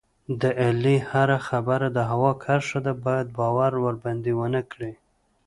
د علي هره خبره د هوا کرښه ده، باید باور ورباندې و نه کړې.